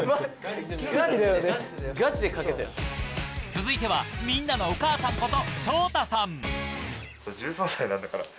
続いてはみんなのお母さんこと